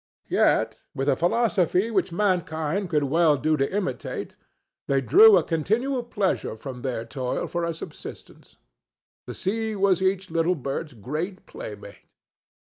Yet, with a philosophy which mankind would do well to imitate, they drew a continual pleasure from their toil for a subsistence. The sea was each little bird's great playmate.